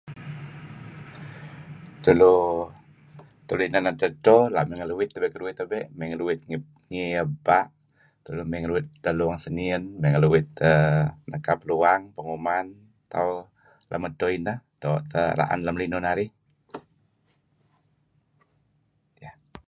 Tulu inan edteh edto la' mey ngeluit keduih tebe', ngeluit ngi ebpa' mey ngeluit edteh luang senien, ngeluit err nekap luang penguman tauh lem edto ineh doo' teh ra'en lem linuh narih.